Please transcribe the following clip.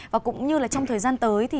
và cũng như là trong thời gian tới thì